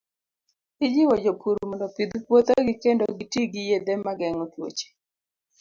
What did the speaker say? Ijiwo jopur mondo opidh puothegi kendo giti gi yedhe ma geng'o tuoche.